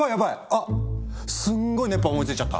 あっすんごい熱波思いついちゃった！